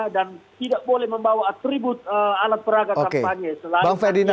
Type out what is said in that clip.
dan tidak boleh membawa atribut alat peragatan panye selain